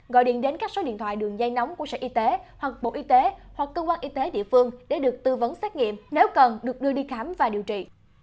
gọi điện đến các số điện thoại đường dây nóng của sở y tế hoặc bộ y tế hoặc cơ quan y tế địa phương để được tư vấn xét nghiệm nếu cần được đưa đi khám và điều trị